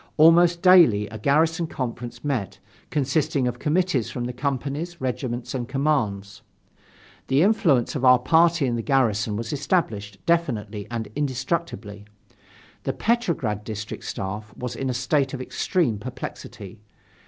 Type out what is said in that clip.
Almost daily, a garrison conference met, consisting of committees from the companies, regiments and commands. The influence of our party in the garrison was established definitely and indestructibly. The Petrograd District Staff was in a state of extreme perplexity.